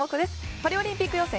パリオリンピック予選